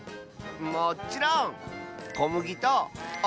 もっちろん！